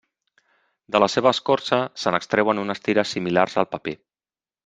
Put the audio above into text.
De la seva escorça se n'extreuen unes tires similars al paper.